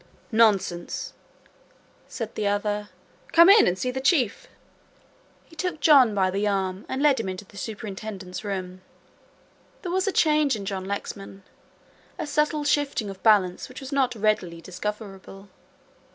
"Nonsense," said the other, "come in and see the Chief." He took John by the arm and led him into the Superintendent's room. There was a change in John Lexman. A subtle shifting of balance which was not readily discoverable.